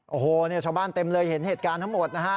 โอ้โหเนี่ยชาวบ้านเต็มเลยเห็นเหตุการณ์ทั้งหมดนะฮะ